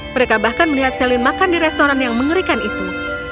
mereka bahkan melihat celine makan di restoran yang mengerikan itu